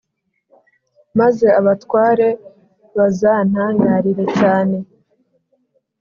maze abatware bazantangarire cyane